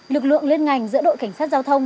lực lượng liên ngành giữa đội cảnh sát giao thông